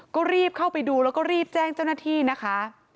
ก็รีบเข้าไปดูแล้วก็รีบแจ้งเจ้าหน้าที่นะคะ